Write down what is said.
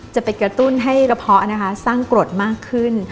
จะไปกระตุ้นให้กระเพาะนะคะสร้างกรดมากขึ้น